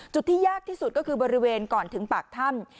ที่ยากที่สุดก็คือบริเวณก่อนถึงปากถ้ำ